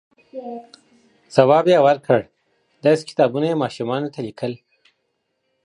ځواب یې ورکړ، داسې کتابونه یې ماشومانو ته لیکل،